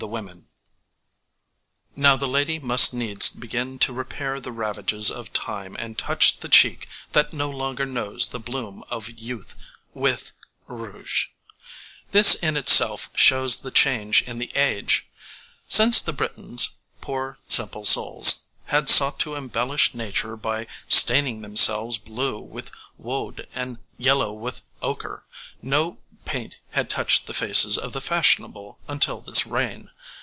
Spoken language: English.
THE WOMEN Now the lady must needs begin to repair the ravages of time and touch the cheek that no longer knows the bloom of youth with rouge. This in itself shows the change in the age. Since the Britons poor, simple souls had sought to embellish Nature by staining themselves blue with woad and yellow with ochre, no paint had touched the faces of the fashionable until this reign.